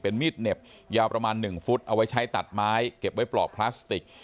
มีดเหน็บยาวประมาณ๑ฟุตเอาไว้ใช้ตัดไม้เก็บไว้ปลอกพลาสติก